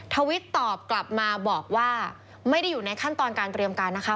ทวิตตอบกลับมาบอกว่าไม่ได้อยู่ในขั้นตอนการเตรียมการนะคะ